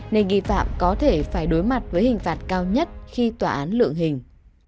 nên nghi phạm có thể phải đối mặt với hình phạt cao nhất khi tòa án lượng hình